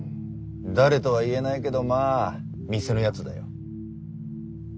誰とは言えないけどまあ店のヤツだよ。